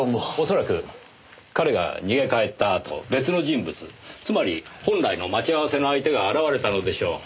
恐らく彼が逃げ帰ったあと別の人物つまり本来の待ち合わせの相手が現れたのでしょう。